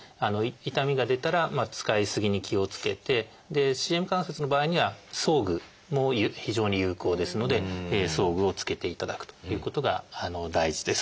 痛みが出たら使い過ぎに気をつけてＣＭ関節の場合には装具も非常に有効ですので装具を着けていただくということが大事です。